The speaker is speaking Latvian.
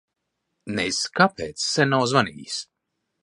Nez kāpēc sen nav zvanījis.